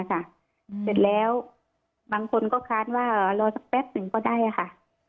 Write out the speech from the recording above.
เสร็จแล้วบางคนก็คาดว่ารอสักแป๊บหนึ่งก็ได้ค่ะ